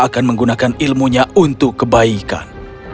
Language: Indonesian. akan menggunakan ilmunya untuk kebaikan